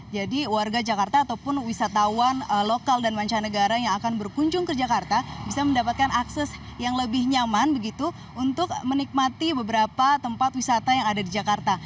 jadi warga jakarta ataupun wisatawan lokal dan mancanegara yang akan berkunjung ke jakarta bisa mendapatkan akses yang lebih nyaman begitu untuk menikmati beberapa tempat wisata yang ada di jakarta